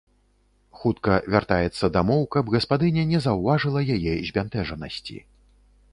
Хутка вяртаецца дамоў, каб гаспадыня не заўважыла яе збянтэжанасці.